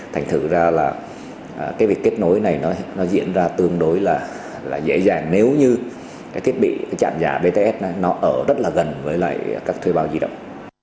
thành thử ra là cái việc kết nối này nó diễn ra tương đối là dễ dàng nếu như cái thiết bị cái chạm giả bts nó ở rất là gần với lại các thuê bao di động